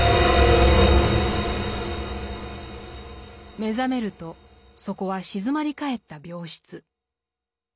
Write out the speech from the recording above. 目覚めるとそこは静まり返った病室。